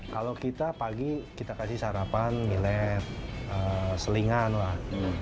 kalau kita pagi kita kasih sarapan milet selingan lah